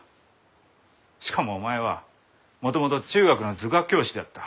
しかもお前はもともと中学の図画教師だった。